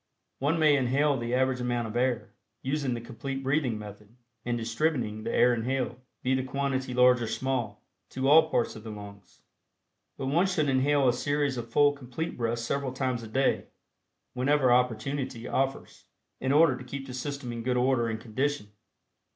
One may inhale the average amount of air, using the Complete Breathing Method and distributing the air inhaled, be the quantity large or small, to all parts of the lungs. But one should inhale a series of full Complete Breaths several times a day, whenever opportunity offers, in order to keep the system in good order and condition.